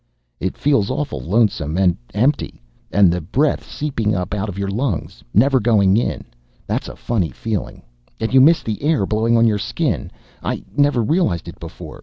"It feels awful lonesome and empty. And the breath seeping up out of your lungs, never going in that's a funny feeling. And you miss the air blowing on your skin. I never realized it before.